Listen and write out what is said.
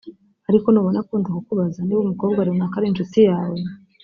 Ariko nubona akunda kukubaza niba umukobwa runaka ari inshuti yawe